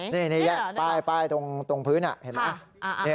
นี่นี่นะป้ายตรงตรงพื้นน่ะเห็นมั้ย